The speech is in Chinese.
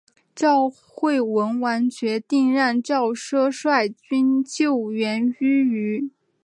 赵惠文王决定让赵奢率军救援阏与。